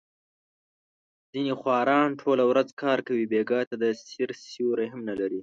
ځنې خواران ټوله ورځ کار کوي، بېګاه ته د سیر سیوری هم نه لري.